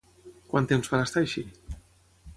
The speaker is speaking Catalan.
Quant temps van estar així?